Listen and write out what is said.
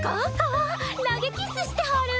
あっ投げキッスしてはる！